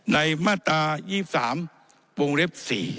มาตรา๒๓วงเล็บ๔